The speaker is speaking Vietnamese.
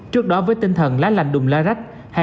trước đó với tinh thần lá lành đùm lá rách